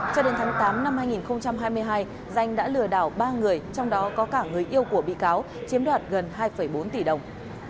cho đến tháng tám năm hai nghìn hai mươi hai danh đã lừa đảo ba người trong đó có cả người yêu của bị cáo chiếm đoạt gần hai bốn tỷ đồng